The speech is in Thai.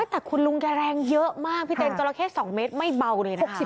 แต่คุณลุงแกแรงเยอะมากพี่เต้นจราเข้๒เมตรไม่เบาเลยนะ